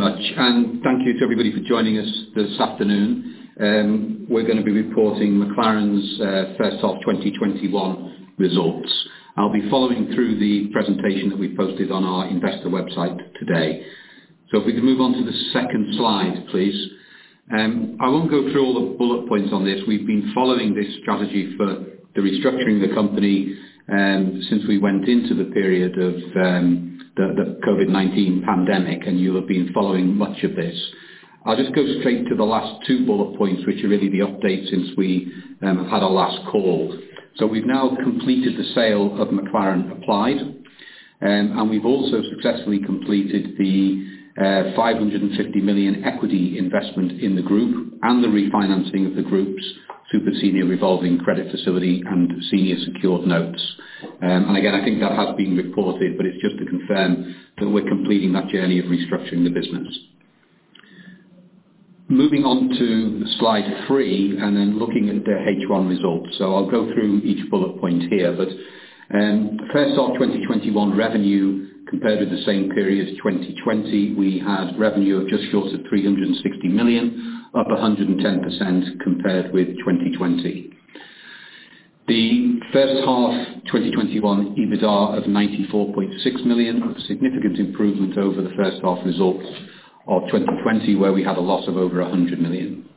Thank you very much, and thank you to everybody for joining us this afternoon. We're going to be reporting McLaren's first half 2021 results. I'll be following through the presentation that we posted on our investor website today. If we can move on to the second slide, please. I won't go through all the bullet points on this. We've been following this strategy for the restructuring of the company since we went into the period of the COVID-19 pandemic, and you have been following much of this. I'll just go straight to the last two bullet points, which are really the updates since we have had our last call. We've now completed the sale of McLaren Applied, and we've also successfully completed the 550 million equity investment in the group and the refinancing of the group's super senior revolving credit facility and senior secured notes. Again, I think that has been reported, but it's just to confirm that we're completing that journey of restructuring the business. Moving on to slide three, looking at the H1 results. I'll go through each bullet point here. First half 2021 revenue compared with the same period 2020, we had revenue of just short of 360 million, up 110% compared with 2020. T he first half 2021 EBITDA of 94.6 million, a significant improvement over the first half results of 2020, where we had a loss of over 100 million.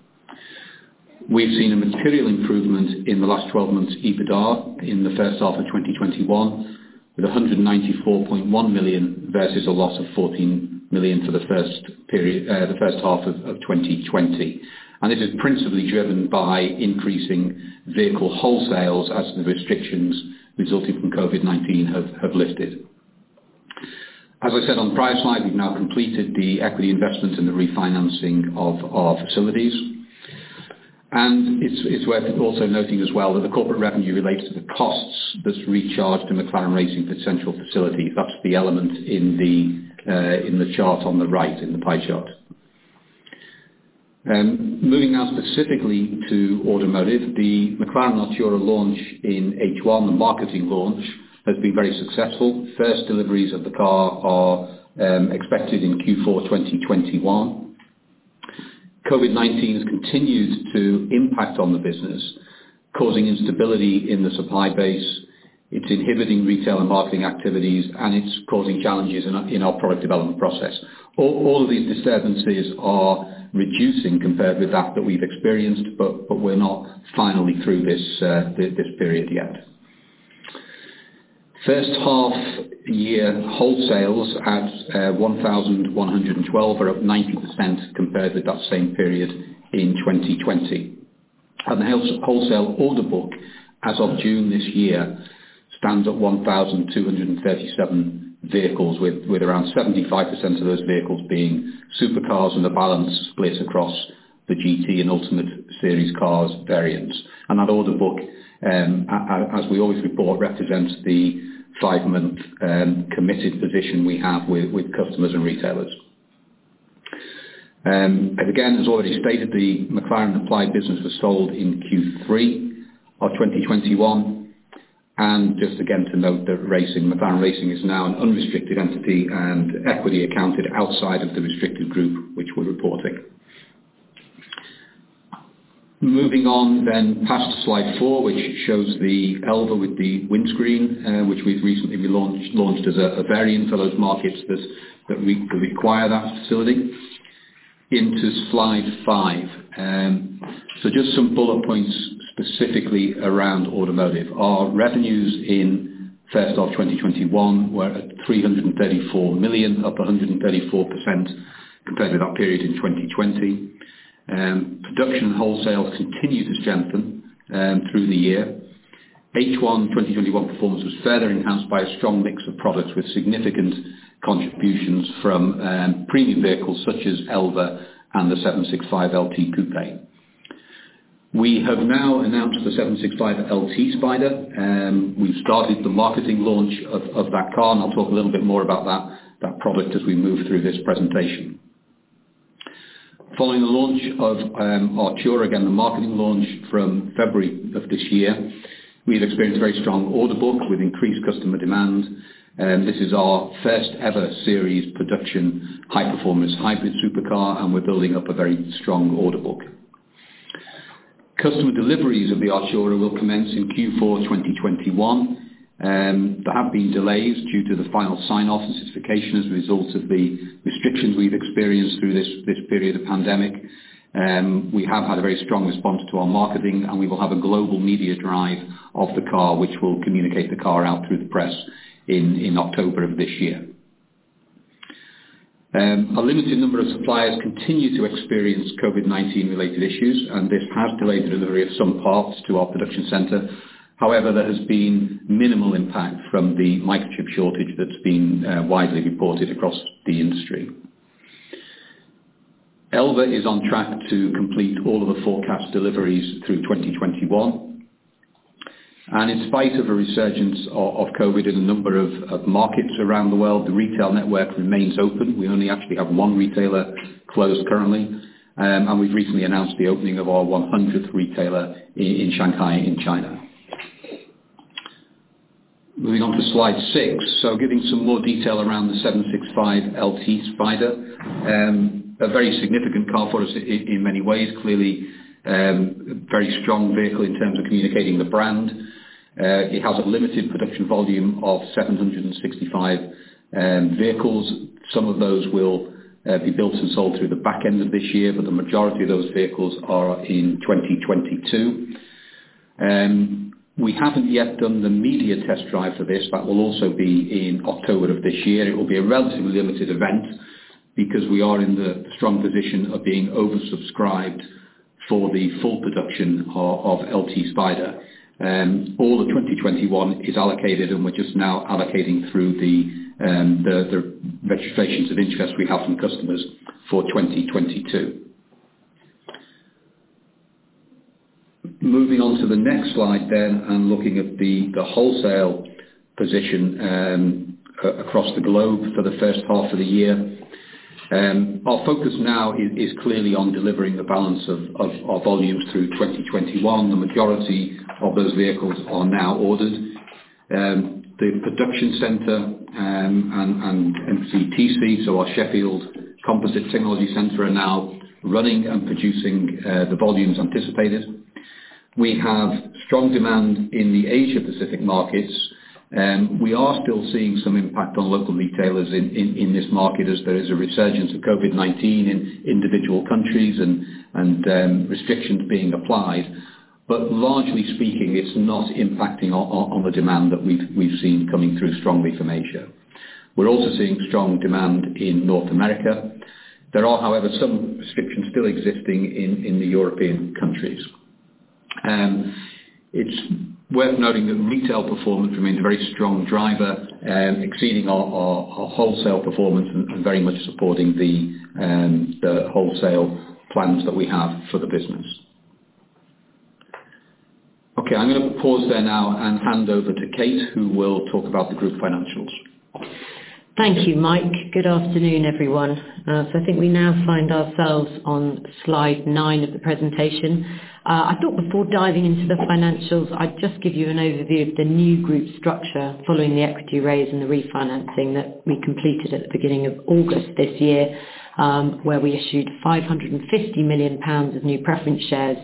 We've seen a material improvement in the last 12 months EBITDA in the first half of 2021, with 194.1 million versus a loss of 14 million for the first half of 2020. It is principally driven by increasing vehicle wholesales as the restrictions resulting from COVID-19 have lifted. As I said on the prior slide, we've now completed the equity investment in the refinancing of our facilities. It's worth also noting as well that the corporate revenue relates to the costs that's recharged in the McLaren Racing potential facility. That's the element in the chart on the right, in the pie chart. Moving now specifically to automotive, the McLaren Artura launch in H1, the marketing launch, has been very successful. First deliveries of the car are expected in Q4 2021. COVID-19 has continued to impact on the business, causing instability in the supply base. It's inhibiting retail and marketing activities, and it's causing challenges in our product development process. All of these disturbances are reducing compared with that that we've experienced, but we're not finally through this period yet. First half year wholesales at 1,112 are up 90% compared with that same period in 2020. The wholesale order book as of June this year, stands at 1,237 vehicles, with around 75% of those vehicles being supercars and the balance split across the GT and Ultimate Series cars variants. That order book, as we always report, represents the five-month committed position we have with customers and retailers. Again, as already stated, the McLaren Applied business was sold in Q3 of 2021. Just again to note that racing, McLaren Racing, is now an unrestricted entity and equity accounted outside of the restricted group which we're reporting. Moving on past slide four, which shows the Elva with the windscreen, which we've recently relaunched as a variant for those markets that require that facility. Into slide 5. Just some bullet points specifically around automotive. Our revenues in first half 2021 were at 334 million, up 134% compared with that period in 2020. Production wholesale continued to strengthen through the year. H1 2021 performance was further enhanced by a strong mix of products with significant contributions from premium vehicles such as Elva and the 765LT Coupe. We have now announced the 765LT Spider. We've started the marketing launch of that car. I'll talk a little bit more about that product as we move through this presentation. Following the launch of Artura, again, the marketing launch from February of this year, we've experienced very strong order book with increased customer demand. This is our first ever series production high-performance hybrid supercar. We're building up a very strong order book. Customer deliveries of the Artura will commence in Q4 2021. There have been delays due to the final sign-off and certification as a result of the restrictions we've experienced through this period of pandemic. We have had a very strong response to our marketing, and we will have a global media drive of the car, which will communicate the car out through the press in October of this year. A limited number of suppliers continue to experience COVID-19 related issues, and this has delayed delivery of some parts to our production center. However, there has been minimal impact from the microchip shortage that's been widely reported across the industry. Elva is on track to complete all of the forecast deliveries through 2021. In spite of a resurgence of COVID in a number of markets around the world, the retail network remains open. We only actually have one retailer closed currently, and we've recently announced the opening of our 100th retailer in Shanghai in China. Moving on to slide six. Giving some more detail around the 765 LT Spider. A very significant car for us in many ways. Clearly, very strong vehicle in terms of communicating the brand. It has a limited production volume of 765 vehicles. Some of those will be built and sold through the back end of this year. The majority of those vehicles are in 2022. We haven't yet done the media test drive for this, that will also be in October of this year. It will be a relatively limited event because we are in the strong position of being oversubscribed for the full production of LT Spider. All of 2021 is allocated and we're just now allocating through the registrations of interest we have from customers for 2022. Moving on to the next slide then, and looking at the wholesale position across the globe for the first half of the year. Our focus now is clearly on delivering the balance of our volumes through 2021. The majority of those vehicles are now ordered. The production center and CTC, so our Sheffield Composite Technology Center, are now running and producing the volumes anticipated. We have strong demand in the Asia Pacific markets. We are still seeing some impact on local retailers in this market as there is a resurgence of COVID-19 in individual countries and restrictions being applied. Largely speaking, it's not impacting on the demand that we've seen coming through strongly from Asia. We're also seeing strong demand in North America. There are, however, some restrictions still existing in the European countries. It's worth noting that retail performance remains a very strong driver, exceeding our wholesale performance and very much supporting the wholesale plans that we have for the business. I'm going to pause there now and hand over to Kate, who will talk about the group financials. Thank you, Mike. Good afternoon, everyone. I think we now find ourselves on slide 9 of the presentation. I thought before diving into the financials, I'd just give you an overview of the new group structure following the equity raise and the refinancing that we completed at the beginning of August this year, Where we issued 550 million pounds of new preference shares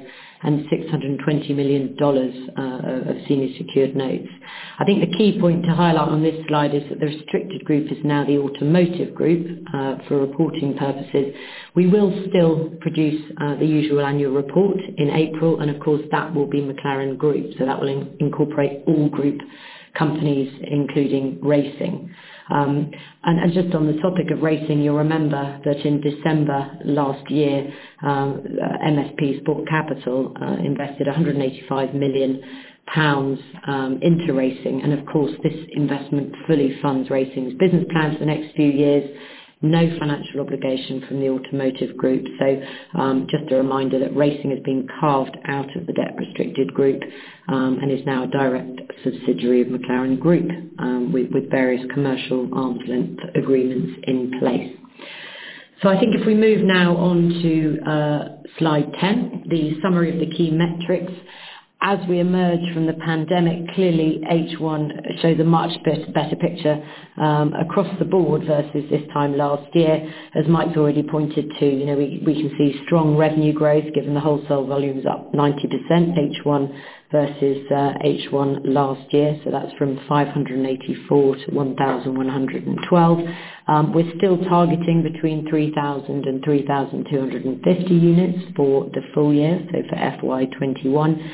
and $620 million of senior secured notes. I think the key point to highlight on this slide is that the restricted group is now the automotive group, for reporting purposes. We will still produce the usual annual report in April, and of course, that will be McLaren Group. That will incorporate all group companies, including racing. Just on the topic of racing, you'll remember that in December last year, MSP Sports Capital invested 185 million pounds into racing. Of course, this investment fully funds Racing's business plans for the next few years. No financial obligation from the Automotive Group. Just a reminder that Racing has been carved out of the debt-restricted group, and is now a direct subsidiary of McLaren Group, with various commercial arm's length agreements in place. I think if we move now on to slide 10, the summary of the key metrics. As we emerge from the pandemic, clearly H1 shows a much better picture across the board versus this time last year. As Mike's already pointed to, we can see strong revenue growth given the wholesale volume's up 90% H1 versus H1 last year. That's from 584 to 1,112. We're still targeting between 3,000 and 3,250 units for the full year. For FY 2021.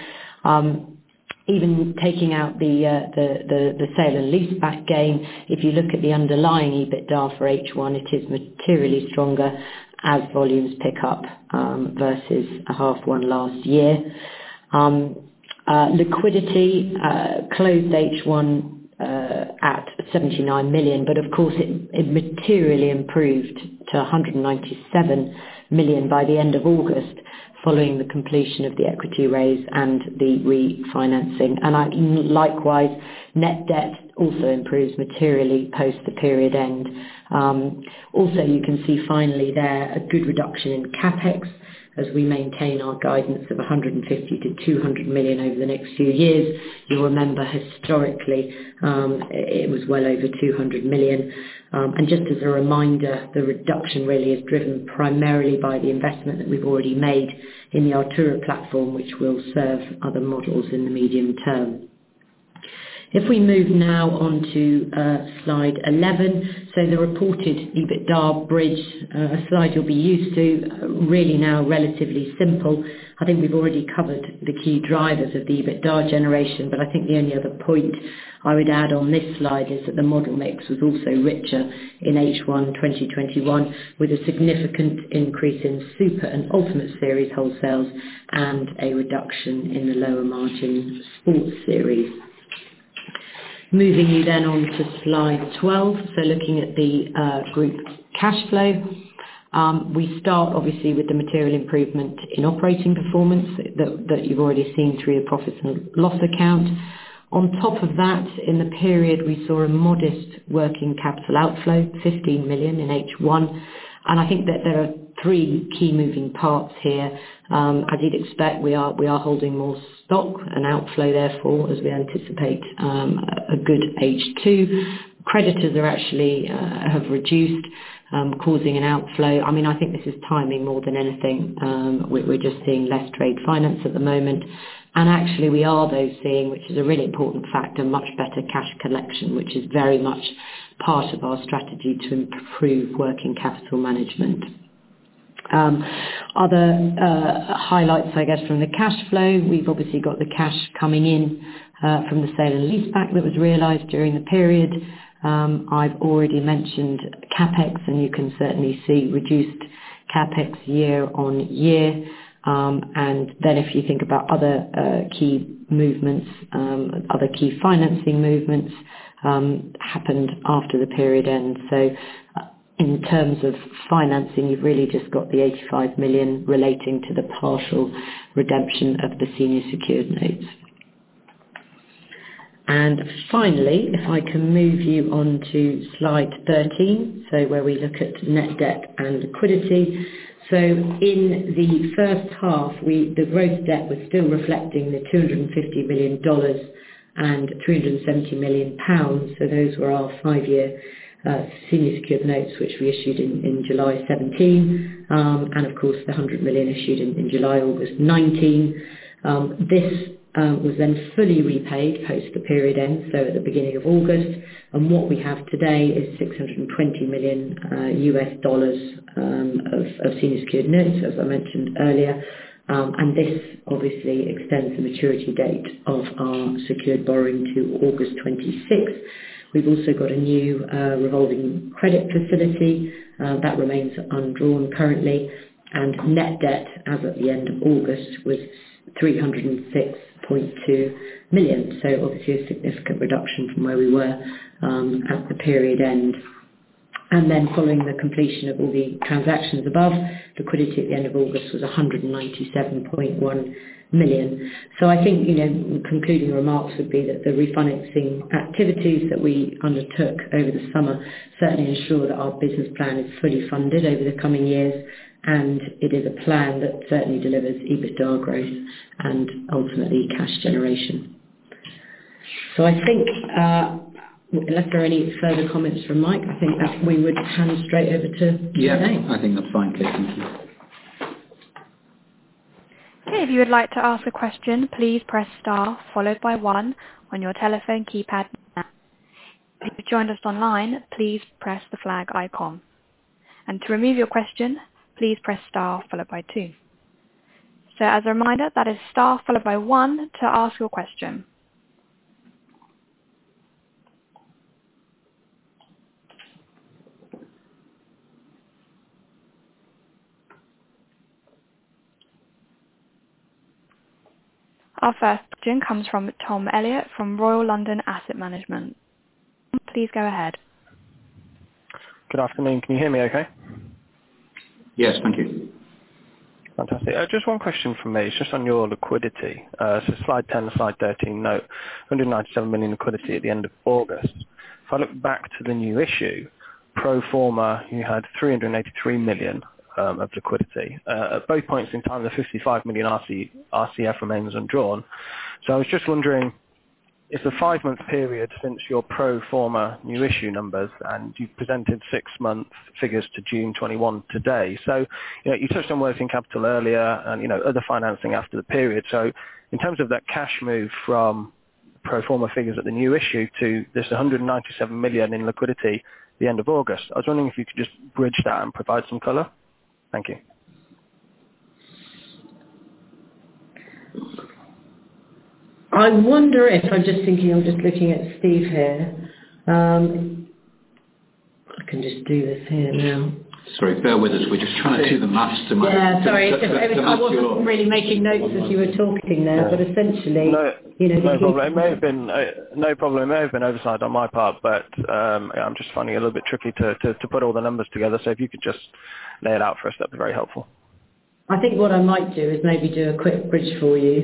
Even taking out the sale and leaseback gain, if you look at the underlying EBITDA for H1, it is materially stronger as volumes pick up, versus half one last year. Liquidity closed H1 at 79 million, but of course it materially improved to 197 million by the end of August following the completion of the equity raise and the refinancing. Likewise, net debt also improves materially post the period end. Also, you can see finally there, a good reduction in CapEx as we maintain our guidance of 150 million-200 million over the next few years. You'll remember historically, it was well over 200 million. Just as a reminder, the reduction really is driven primarily by the investment that we've already made in the Artura platform, which will serve other models in the medium term. If we move now on to slide 11. The reported EBITDA bridge, a slide you'll be used to, really now relatively simple. We've already covered the key drivers of the EBITDA generation, but the only other point I would add on this slide is that the model mix was also richer in H1 2021, with a significant increase in Super and Ultimate Series wholesales and a reduction in the lower margin Sports Series. Moving you then on to slide 12. Looking at the group cash flow. We start obviously with the material improvement in operating performance that you've already seen through the profit and loss account. On top of that, in the period, we saw a modest working capital outflow, $15 million in H1. There are three key moving parts here. As you'd expect, we are holding more stock, an outflow therefore, as we anticipate a good H2. Creditors actually have reduced, causing an outflow. I think this is timing more than anything. We're just seeing less trade finance at the moment. Actually, we are though seeing, which is a really important factor, much better cash collection, which is very much part of our strategy to improve working capital management. Other highlights, I guess, from the cash flow, we've obviously got the cash coming in from the sale and leaseback that was realized during the period. I've already mentioned CapEx, you can certainly see reduced CapEx year-over-year. If you think about other key financing movements happened after the period end. In terms of financing, you've really just got the 85 million relating to the partial redemption of the senior secured notes. Finally, if I can move you on to slide 13, so where we look at net debt and liquidity. In the first half, the gross debt was still reflecting the $250 million and £370 million, those were our five-year senior secured notes, which we issued in July 2017. Of course, the 100 million issued in July, August 2019. This was fully repaid post the period end, at the beginning of August. What we have today is $620 million of senior secured notes, as I mentioned earlier. This obviously extends the maturity date of our secured borrowing to August 26th. We've also got a new revolving credit facility that remains undrawn currently, and net debt as of the end of August was 306.2 million. Obviously, a significant reduction from where we were at the period end. Following the completion of all the transactions above, liquidity at the end of August was 197.1 million. I think concluding remarks would be that the refinancing activities that we undertook over the summer certainly ensure that our business plan is fully funded over the coming years, and it is a plan that certainly delivers EBITDA growth and ultimately cash generation. I think unless there are any further comments from Mike, I think that we would hand straight over to Rene. Yeah, I think that's fine, Kate. Thank you. Okay. If you would like to ask a question, please press star followed by one on your telephone keypad now. If you joined us online, please press the flag icon. To remove your question, please press star followed by two. As a reminder, that is star followed by one to ask your question. Our first question comes from Tom Elliott from Royal London Asset Management. Please go ahead. Good afternoon. Can you hear me okay? Yes, thank you. Fantastic. Just one question from me. It's just on your liquidity. Slide 10 to slide 13 note, 197 million liquidity at the end of August. If I look back to the new issue, pro forma, you had 383 million of liquidity. At both points in time, the 55 million RCF remains undrawn. I was just wondering, it's a 5-month period since your pro forma new issue numbers, and you've presented 6 months figures to June 2021 today. You touched on working capital earlier and other financing after the period. In terms of that cash move from pro forma figures at the new issue to this 197 million in liquidity, the end of August, I was wondering if you could just bridge that and provide some color. Thank you. I wonder if I'm just thinking, I'm just looking at Steve here. I can just do this here. Sorry, bear with us. We're just trying to do the math to match. Yeah, sorry. To match I wasn't really making notes as you were talking there, but essentially. No problem. It may have been oversized on my part, but I’m just finding it a little bit tricky to put all the numbers together. If you could just lay it out for us, that’d be very helpful. I think what I might do is maybe do a quick bridge for you,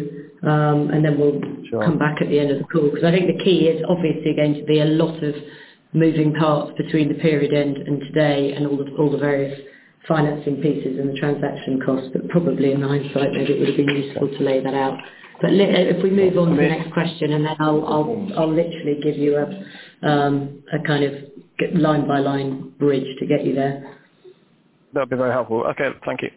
and then we'll. Sure come back at the end of the call. I think the key is obviously going to be a lot of moving parts between the period end and today and all the various financing pieces and the transaction costs, probably in hindsight, maybe it would have been useful to lay that out. If we move on to the next question, then I'll literally give you a kind of line-by-line bridge to get you there. That'd be very helpful. Okay. Thank you.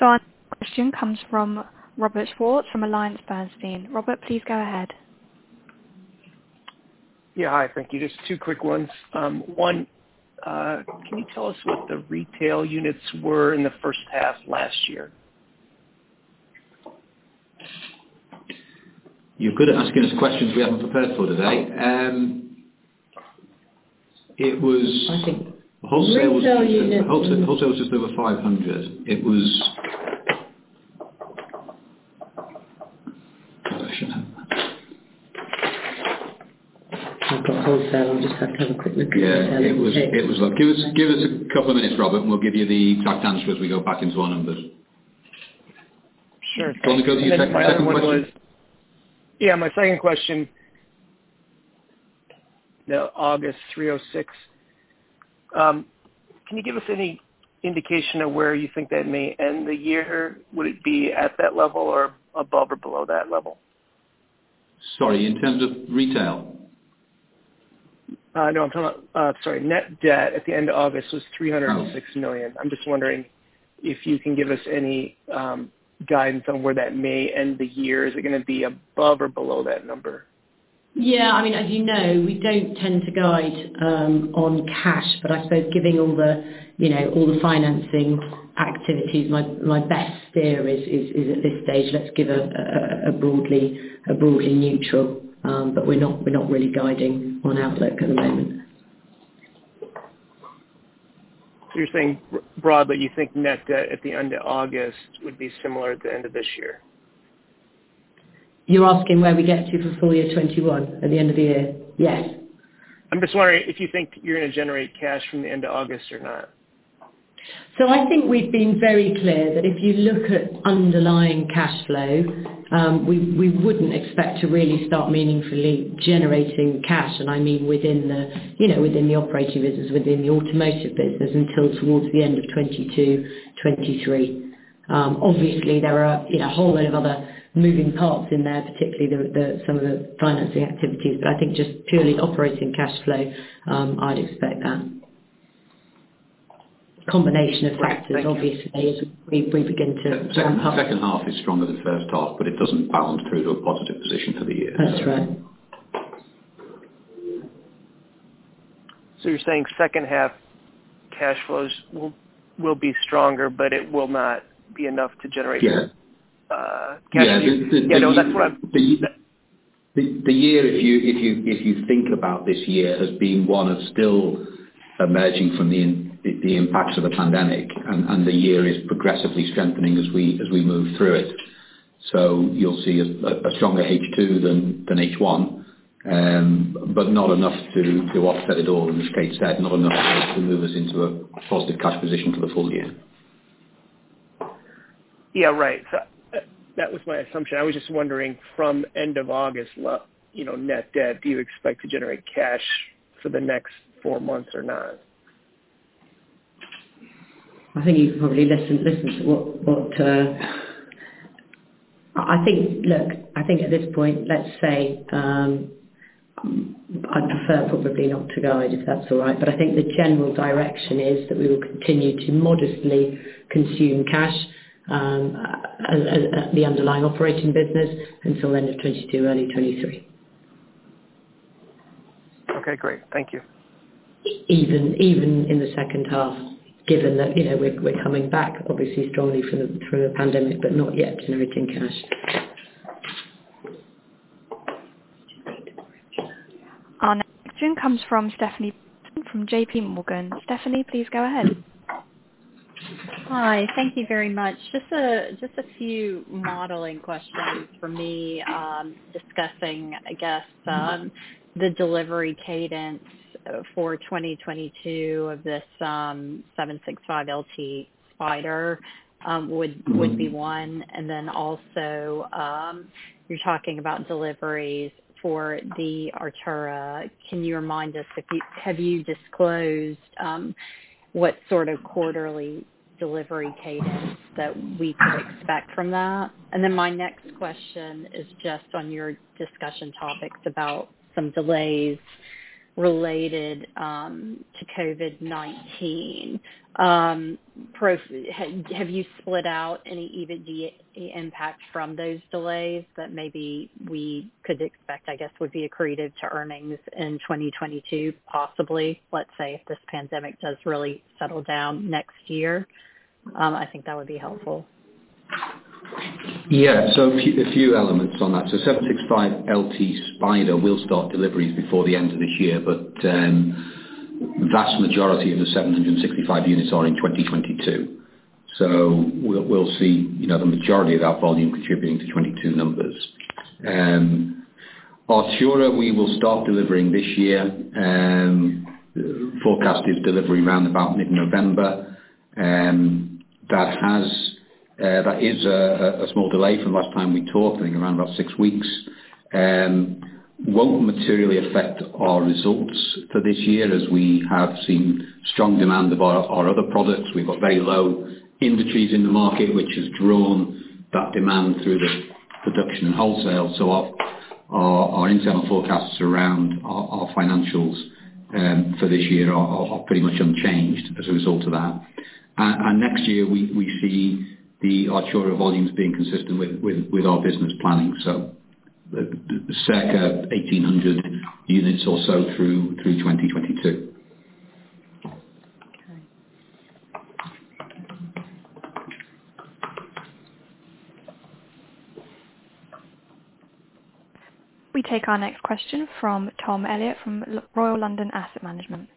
Our next question comes from Robert Schwartz from AllianceBernstein. Rob, please go ahead. Hi. Thank you. Just two quick ones. one, can you tell us what the retail units were in the first half last year? You're good at asking us questions we haven't prepared for today. I think, Wholesale was. Retail units. wholesale was just over 500. I've got hold still. I'll just have to have a quick look. Yeah. Give us two minutes, Rob, and we'll give you the exact answer as we go back into our numbers. Sure. Do you want to go to your second question? Yeah, my second question. August 306. Can you give us any indication of where you think that may end the year? Would it be at that level or above or below that level? Sorry, in terms of retail? I'm talking about, sorry, net debt at the end of August was 306 million. I'm just wondering if you can give us any guidance on where that may end the year. Is it going to be above or below that number? Yeah. As you know, we don't tend to guide on cash, but I suppose giving all the financing activities, my best steer is at this stage, let's give a broadly neutral, but we're not really guiding on outlook at the moment. You're saying broadly, you think net debt at the end of August would be similar at the end of this year? You're asking where we get to for full year 2021, at the end of the year? Yes. I'm just wondering if you think you're going to generate cash from the end of August or not. I think we've been very clear that if you look at underlying cash flow, we wouldn't expect to really start meaningfully generating cash. I mean, within the operating business, within the automotive business, until towards the end of 2022, 2023. Obviously, there are a whole load of other moving parts in there, particularly some of the financing activities. I think just purely operating cash flow, I'd expect that. Combination of factors, obviously, as we begin to. Second half is stronger than the first half. It doesn't balance through to a positive position for the year. That's right. You're saying second half cash flows will be stronger, but it will not be enough to generate. Yeah. No, that's what I'm. The year, if you think about this year as being one of still emerging from the impact of the pandemic, and the year is progressively strengthening as we move through it. You'll see a stronger H2 than H1, but not enough to offset it all, and as Kate said, not enough to move us into a positive cash position for the full year. Yeah, right. That was my assumption. I was just wondering from end of August net debt, do you expect to generate cash for the next four months or not? I think you can probably listen to Look, I think at this point, let's say, I'd prefer probably not to guide, if that's all right. I think the general direction is that we will continue to modestly consume cash at the underlying operating business until end of 2022, early 2023. Okay, great. Thank you. Even in the second half, given that we're coming back, obviously strongly from the pandemic, but not yet generating cash. Our next question comes from Stephanie from JPMorgan. Stephanie, please go ahead. Hi. Thank you very much. Just a few modeling questions from me, discussing I guess the delivery cadence for 2022 of this 765LT Spider would be one. Also, you're talking about deliveries for the Artura. Can you remind us, have you disclosed what sort of quarterly delivery cadence that we could expect from that? My next question is just on your discussion topics about some delays related to COVID-19. Have you split out any of the impact from those delays that maybe we could expect, I guess, would be accretive to earnings in 2022, possibly, let's say, if this pandemic does really settle down next year? I think that would be helpful. Yeah. A few elements on that. 765LT Spider will start deliveries before the end of this year. The vast majority of the 765 units are in 2022. We'll see the majority of that volume contributing to 2022 numbers. Artura, we will start delivering this year. Forecast is delivery round about mid-November. That is a small delay from last time we talked, I think around 6 weeks. Won't materially affect our results for this year, as we have seen strong demand of our other products. We've got very low inventories in the market, which has drawn that demand through the production and wholesale. Our internal forecasts around our financials for this year are pretty much unchanged as a result of that. Next year, we see the Artura volumes being consistent with our business planning. Circa 1,800 units or so through 2022. Okay. We take our next question from Tom Elliott from Royal London Asset Management.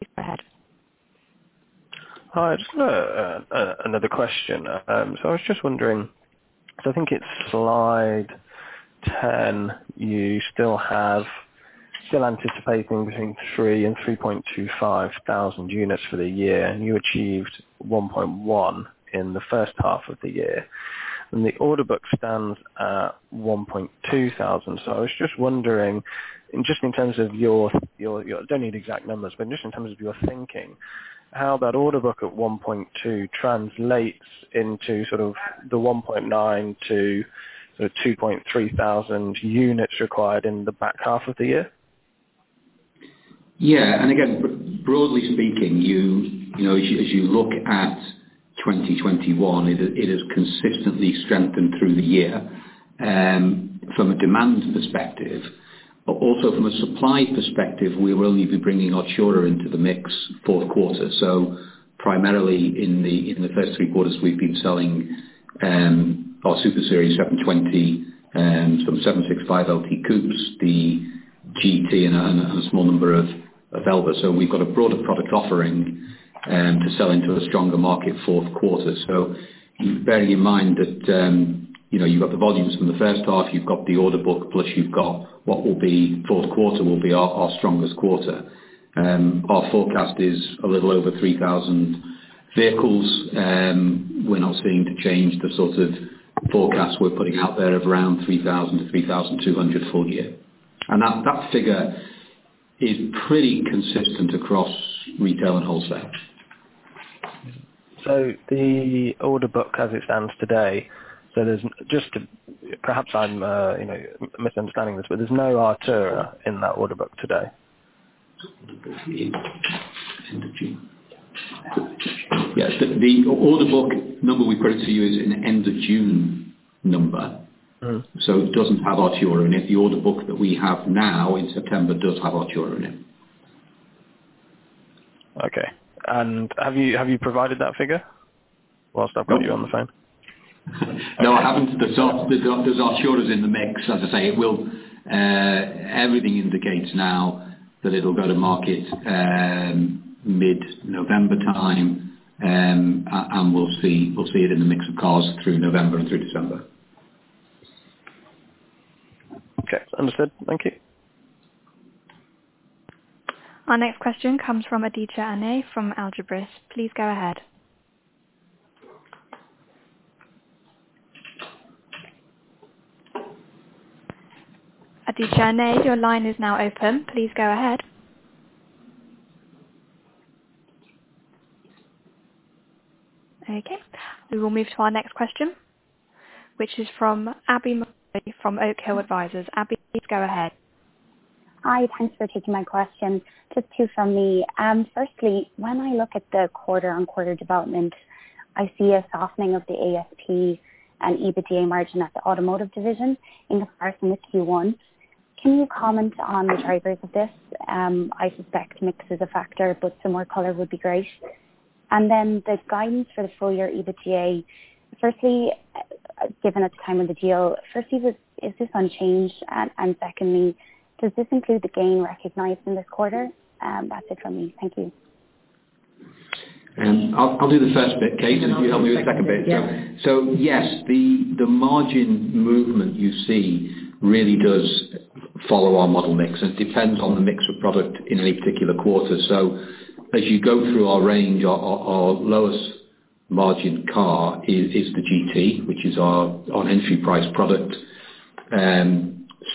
Please go ahead. Hi, I just have another question. I was just wondering, so I think it's slide 10, you still anticipating between 3,000 and 3,250 units for the year, and you achieved 1.1 in the first half of the year. The order book stands at 1,200. I was just wondering, and just in terms of your, Don't need exact numbers, but just in terms of your thinking, how that order book at 1.2 translates into sort of the 1.9-2,300 units required in the back half of the year. Again, broadly speaking, as you look at 2021, it has consistently strengthened through the year from a demand perspective, but also from a supply perspective, we will only be bringing Artura into the mix Q4. Primarily in the first three quarters, we've been selling our Super Series 720S, some 765LT Coupes, the GT and a small number of Elva. We've got a broader product offering to sell into a stronger market Q4. Bearing in mind that you've got the volumes from the first half, you've got the order book, plus you've got what will be Q4, will be our strongest quarter. Our forecast is a little over 3,000 vehicles. We're not seeing to change the sort of forecast we're putting out there of around 3,000-3,200 full year. That figure is pretty consistent across retail and wholesale. The order book as it stands today, perhaps I'm misunderstanding this, but there's no Artura in that order book today. Yes, the order book number we quote to you is an end of June number. Oh. It doesn't have Artura in it. The order book that we have now in September does have Artura in it. Okay. Have you provided that figure while I've got you on the phone? No, I haven't. The Artura is in the mix. As I say, everything indicates now that it'll go to market mid-November time. We'll see it in the mix of cars through November and through December. Okay. Understood. Thank you. Our next question comes from Aditya Aney from Algebris. Please go ahead. Aditya Aney, your line is now open. Please go ahead. Okay, we will move to our next question, which is from Abbie MacKay from ICG Advisors. Abbie, please go ahead. Hi, thanks for taking my question. Just two from me. Firstly, when I look at the quarter-on-quarter development, I see a softening of the ASP and EBITDA margin at the automotive division in comparison to Q1. Can you comment on the drivers of this? I suspect mix is a factor. Some more color would be great. The guidance for the full year EBITDA. Firstly, given it's time of the deal, is this unchanged? Secondly, does this include the gain recognized in this quarter? That's it from me. Thank you. I'll do the first bit, Kate, and you help me with the second bit. Yeah. Yes, the margin movement you see really does follow our model mix. It depends on the mix of product in a particular quarter. As you go through our range, our lowest margin car is the GT, which is our entry price product,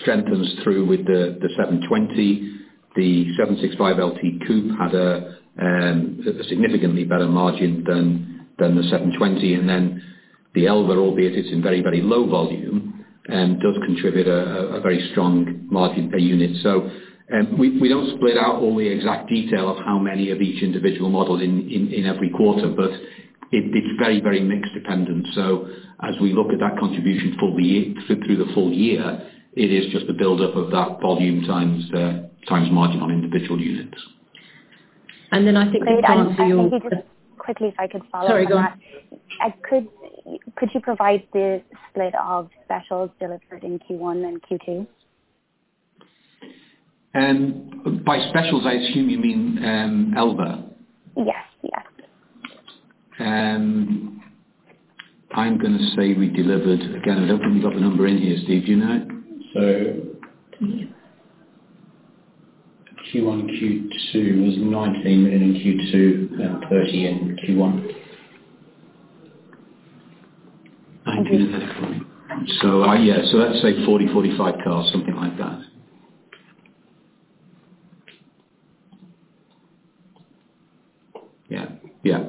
strengthens through with the 720S. The 765LT Coupe had a significantly better margin than the 720S. The Elva, albeit it's in very low volume, does contribute a very strong margin per unit. We don't split out all the exact detail of how many of each individual model in every quarter, but it's very mix dependent. As we look at that contribution through the full year, it is just a buildup of that volume times margin on individual units. I think we can answer. Great. I think if just quickly if I could follow on that. Sorry, go on. Could you provide the split of specials delivered in Q1 and Q2? By specials, I mean, I assume you mean Elva. Yes. I'm gonna say. Again, I don't think we've got the number in here, Steve, do you know? Q1, Q2 was 19 in Q2 and 30 in Q1. 19 and 30. Yeah. Let's say 40, 45 cars, something like that. Yeah.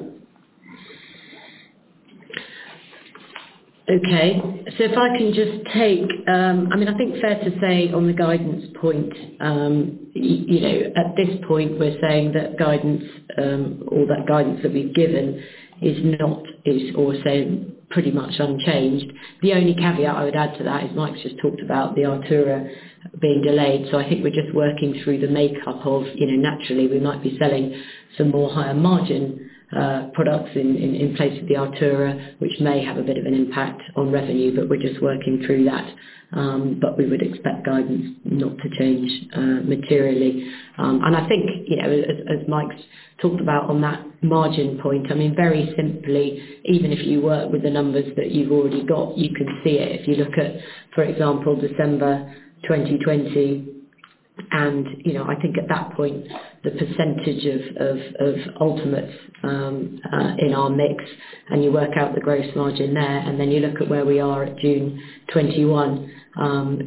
Okay. If I can just take, I think fair to say on the guidance point, at this point, we're saying that all that guidance that we've given is pretty much unchanged. The only caveat I would add to that is Mike's just talked about the Artura being delayed. I think we're just working through the makeup of, naturally we might be selling some more higher margin products in place of the Artura, which may have a bit of an impact on revenue, but we're just working through that. We would expect guidance not to change materially. I think as Mike's talked about on that margin point, very simply, even if you work with the numbers that you've already got, you can see it. If you look at, for example, December 2020. I think at that point, the percentage of ultimates in our mix, and you work out the gross margin there, and then you look at where we are at June 2021,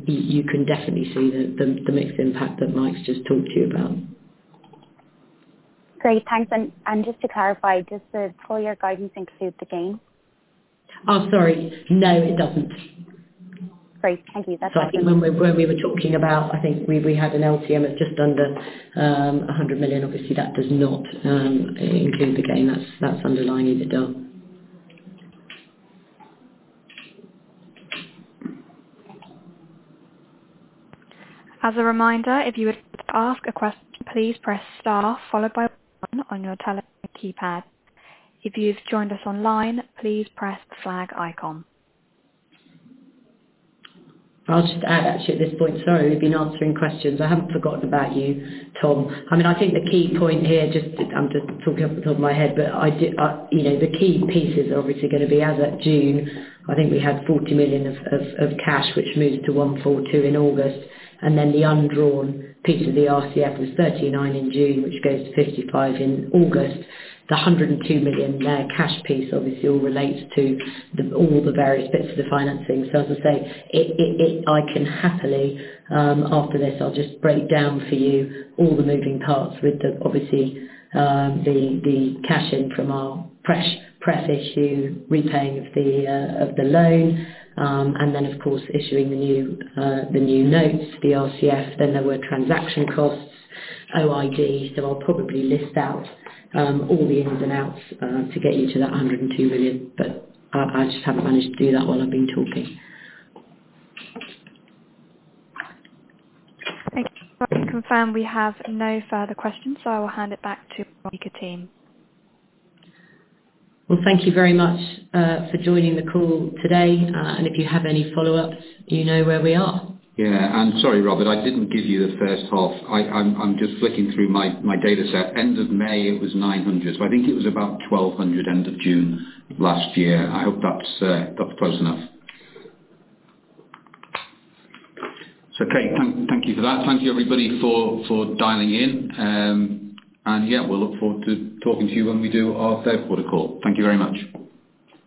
you can definitely see the mixed impact that Mike's just talked to you about. Great. Thanks. Just to clarify, does the full-year guidance include the gain? Oh, sorry. No, it doesn't. Great. Thank you. That is helpful. I think when we were talking about, I think we had an LTM of just under 100 million. Obviously, that does not include the gain. That's underlying EBITDA. As a reminder, if you would like to ask a question, please press star followed by one on your telephone keypad. If you've joined us online, please press the flag icon. I'll just add actually at this point. Sorry, we've been answering questions. I haven't forgotten about you, Tom. I think the key point here, I'm just talking off the top of my head, but the key pieces are obviously going to be as at June, I think we had 40 million of cash, which moved to 142 million in August. The undrawn piece of the RCF was 39 million in June, which goes to 55 million in August. The 102 million there cash piece obviously all relates to all the various bits of the financing. As I say, I can happily, after this, I'll just break down for you all the moving parts with obviously the cash in from our preferential issue, repaying of the loan, and then of course issuing the new notes, the RCF. There were transaction costs, OID. I'll probably list out all the ins and outs to get you to that 102 million, but I just haven't managed to do that while I've been talking. Thank you. Well, we confirm we have no further questions, so I will hand it back to the speaker Team. Well, thank you very much for joining the call today. If you have any follow-ups, you know where we are. Yeah. Sorry, Rob, I didn't give you the first half. I'm just flicking through my dataset. End of May, it was 900. I think it was about 1,200 end of June last year. I hope that's close enough. Kate, thank you for that. Thank you everybody for dialing in. Yeah, we'll look forward to talking to you when we do our Q3 call. Thank you very much.